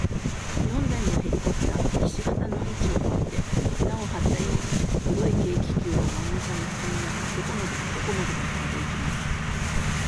四台のヘリコプターは、ひし形の位置をとって、綱をはったように、黒い軽気球をまんなかにはさみながら、どこまでもどこまでもとんでいきます。